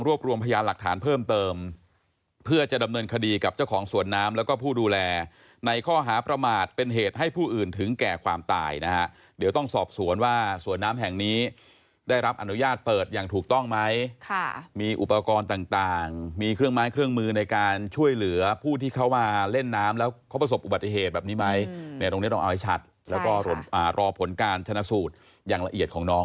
รวบรวมพยานหลักฐานเพิ่มเติมเพื่อจะดำเนินคดีกับเจ้าของส่วนน้ำแล้วก็ผู้ดูแลในข้อหาประมาทเป็นเหตุให้ผู้อื่นถึงแก่ความตายนะฮะเดี๋ยวต้องสอบสวนว่าส่วนน้ำแห่งนี้ได้รับอนุญาตเปิดอย่างถูกต้องไหมค่ะมีอุปกรณ์ต่างต่างมีเครื่องม้ายเครื่องมือในการช่วยเหลือผู้ที่เขามาเล่นน้ำแล้